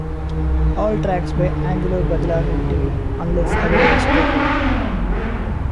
All tracks by Angelo Badalamenti unless otherwise stated.